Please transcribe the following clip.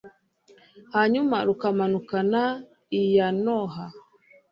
hanyuma rukamanuka i yanoha